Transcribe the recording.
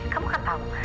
kamu kan tau